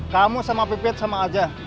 kamu sama pipet sama ajah